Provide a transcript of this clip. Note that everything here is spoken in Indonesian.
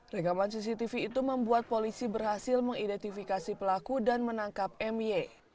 rekaman cctv itu membuat polisi berhasil mengidentifikasi pelaku dan menangkap my